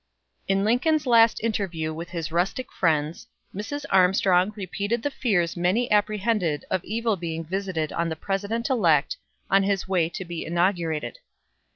In Lincoln's last interview with his rustic friends, Mrs. Armstrong repeated the fears many apprehended of evil being visited on the President elect on his way to be inaugurated.